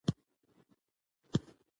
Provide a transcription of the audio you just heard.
موږ باید مالي سواد زده کړو.